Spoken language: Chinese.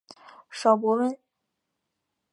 邵伯温。